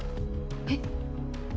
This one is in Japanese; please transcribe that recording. えっ？